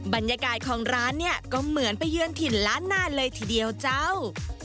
บรรยากาศของร้านเนี่ยก็เหมือนไปเยือนถิ่นล้านนาเลยทีเดียวเจ้า